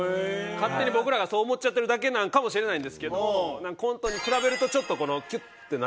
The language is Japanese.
勝手に僕らがそう思っちゃってるだけなんかもしれないんですけどコントに比べるとちょっとキュッてなっちゃうんですよね。